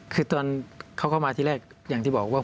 คือตอนเขาเข้ามาที่แรกอย่างที่บอกว่า